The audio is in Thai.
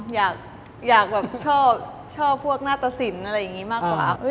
อยากชอบพวกหน้าตะสินรึอยังงี้มากกว่า